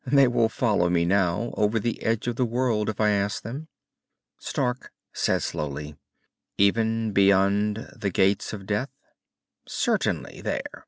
"They will follow me now, over the edge of the world, if I ask them." Stark said slowly, "Even beyond the Gates of Death?" "Certainly, there.